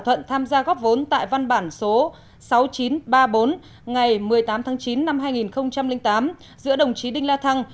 thuận tham gia góp vốn tại văn bản số sáu nghìn chín trăm ba mươi bốn ngày một mươi tám tháng chín năm hai nghìn tám giữa đồng chí đinh la thăng